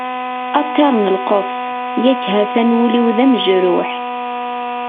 A ṭṭir n lqefṣ, yak ha-t-an wul-iw d amejruḥ.